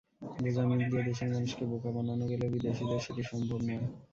গোঁজামিল দিয়ে দেশের মানুষকে বোকা বানানো গেলেও বিদেশিদের সেটি সম্ভব নয়।